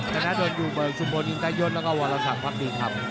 จรรยาโดนอยู่เบอร์สุโมนอินตะยดแล้วก็วรรษาความดีครับ